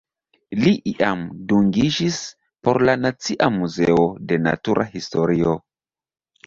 Li iam dungiĝis por la Nacia Muzeo de Natura Historio.